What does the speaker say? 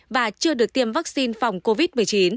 và chưa được tiêm vaccine phòng covid một mươi chín